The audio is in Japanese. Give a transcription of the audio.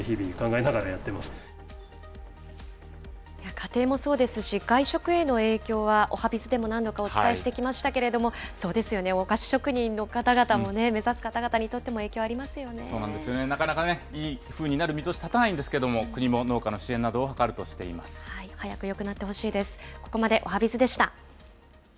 家庭もそうですし、外食への影響はおはＢｉｚでも何度かお伝えしてきましたけれども、そうですよね、お菓子職人の方々もね、目指す方々にとっても影響そうなんですよね、なかなかいいふうになる見通し立たないんですけれども、国も農家の支援を早くよくなってほしいです。